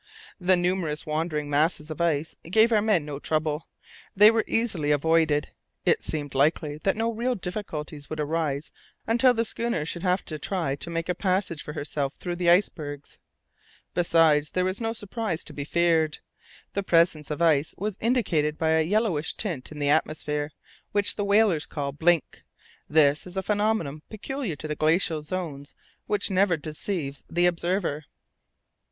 The numerous wandering masses of ice gave our men no trouble; they were easily avoided. It seemed likely that no real difficulties would arise until the schooner should have to try to make a passage for herself through the icebergs. Besides, there was no surprise to be feared. The presence of ice was indicated by a yellowish tint in the atmosphere, which the whalers called "blink." This is a phenomenon peculiar to the glacial zones which never deceives the observer.